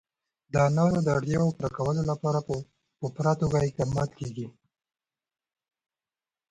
د انارو د اړتیاوو پوره کولو لپاره په پوره توګه اقدامات کېږي.